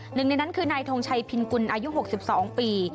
หนึ่งในนั้นคือนายทงชัยพินกุลอายุ๖๒ปี